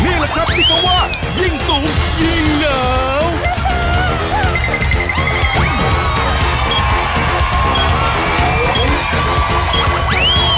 นี่แหละครับที่เขาว่ายิ่งสูงยิ่งเหลา